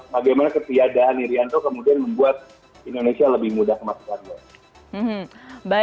bagaimana ketiadaan irianto kemudian membuat indonesia lebih mudah kemasuk karyawan